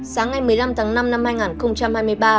sáng ngày một mươi năm tháng năm năm hai nghìn hai mươi ba